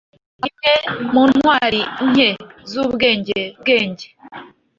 Imwe muntwari nke zubwenge-bwenge